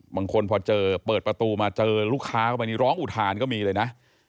บางคนพอเจอเปิดประตูมาเจอลูกค้าเข้าไปนี่ร้องอุทานก็มีเลยนะ